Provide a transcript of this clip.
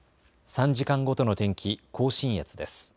３時間ごとの天気、甲信越です。